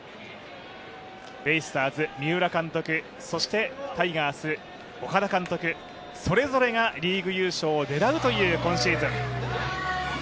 ベイスターズ、三浦監督、そしてタイガース、岡田監督、それぞれがリーグ優勝を狙うという今シーズン。